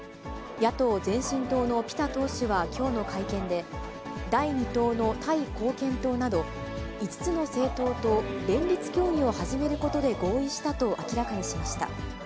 野党・前進党のピタ党首はきょうの会見で、第２党のタイ貢献党など、５つの政党と連立協議を始めることで合意したと明らかにしました。